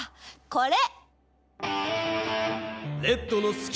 これ！